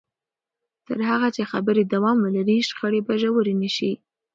تر هغه چې خبرې دوام ولري، شخړې به ژورې نه شي.